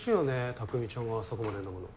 匠ちゃんがあそこまで飲むの。